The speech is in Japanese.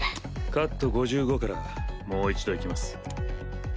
カット５５からもう一度いきます。